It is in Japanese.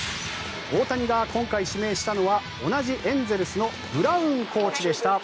大谷が今回指名したのは同じエンゼルスのブラウンコーチでした。